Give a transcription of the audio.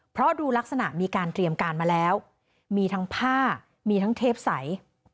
เพราะดูลักษณะมีการเตรียมการมาแล้วมีทั้งผ้ามีทั้งเทปใส